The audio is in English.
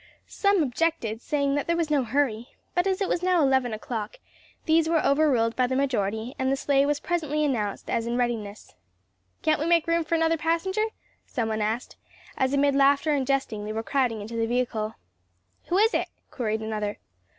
Some objected, saying there was no hurry, but as it was now eleven o'clock, these were overruled by the majority, and the sleigh was presently announced as in readiness. "Can't we make room for another passenger?" some one asked, as amid laughter and jesting, they were crowding into the vehicle. "Who is it?" queried another.